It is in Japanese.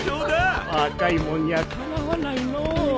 若い者にはかなわないのう。